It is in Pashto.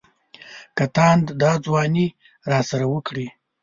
که تاند دا ځواني راسره وکړي.